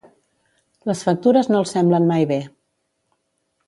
Les factures no els semblen mai bé